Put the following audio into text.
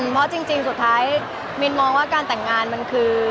เพราะจริงสุดท้ายมินมองว่าการแต่งงานมันคือ